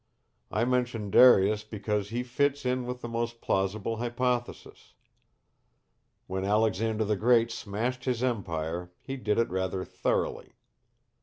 I mention Darius because he fits in with the most plausible hypothesis. When Alexander the Great smashed his empire he did it rather thoroughly.